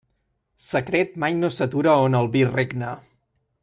Secret mai no s'atura on el vi regna.